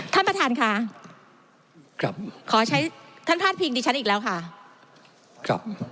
ท่านประธานค่ะครับขอใช้ท่านพาดพิงดิฉันอีกแล้วค่ะครับ